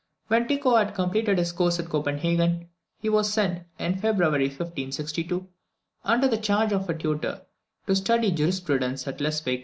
When Tycho had completed his course at Copenhagen, he was sent, in February 1562, under the charge of a tutor to study jurisprudence at Leipsic.